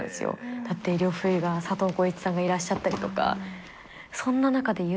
だって呂不韋が佐藤浩市さんがいらっしゃったりとか。